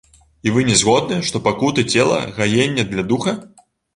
І вы не згодны, што пакуты цела гаенне для духа?